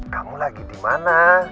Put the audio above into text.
kamu lagi dimana